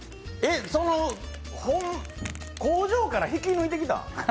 工場から引き抜いてきたん？